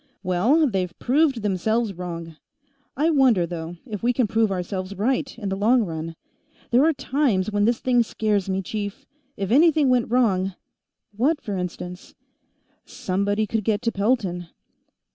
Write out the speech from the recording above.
"Well ... they've proved themselves wrong. I wonder, though, if we can prove ourselves right, in the long run. There are times when this thing scares me, chief. If anything went wrong " "What, for instance?" "Somebody could get to Pelton."